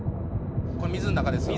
「これ水の中ですから。